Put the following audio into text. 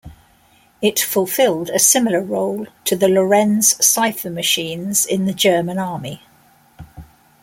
It fulfilled a similar role to the Lorenz cipher machines in the German Army.